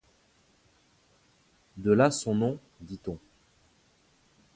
De là son nom, dit-on.